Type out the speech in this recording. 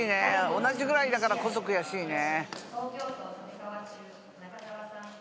同じぐらいだからこそ悔しいね。